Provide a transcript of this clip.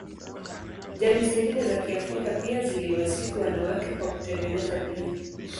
Jamii zingine za Kiafrika pia ziliwasifu wanawake kwa kutengeneza bia.